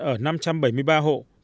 ở năm trăm bảy mươi ba hộ